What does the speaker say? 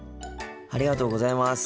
ありがとうございます。